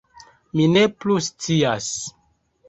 Mi ne plu scias